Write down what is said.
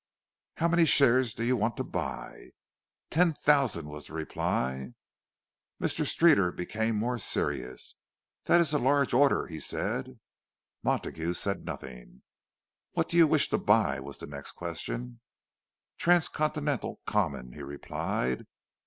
"How many shares do you want to buy?" "Ten thousand," was the reply. Mr. Streeter became more serious. "That is a large order," he said. Montague said nothing. "What do you wish to buy?" was the next question. "Transcontinental Common," he replied.